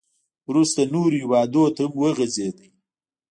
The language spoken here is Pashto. • وروسته نورو هېوادونو ته هم وغځېد.